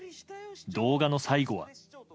動画の最後は。